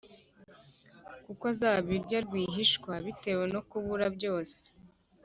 kuko azabirya rwihishwa bitewe no kubura byose,